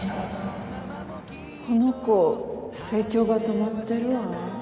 この子成長が止まってるわ。